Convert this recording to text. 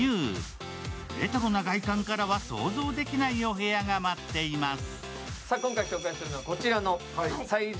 レトロな外観からは想像できないお部屋が待っています。